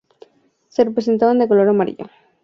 Se representan de color amarillo.